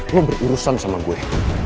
lo berurusan sama gue